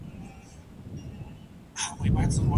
ناروغ خاوند څنګه مؤانست ترسره کولای سي؟